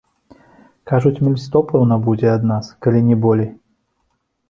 Кажуць, міль сто пэўна будзе ад нас, калі не болей?